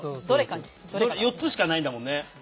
４つしかないんだもんね。